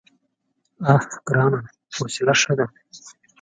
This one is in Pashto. _اه ګرانه! حوصله ښه ده.